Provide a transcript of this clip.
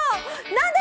何で？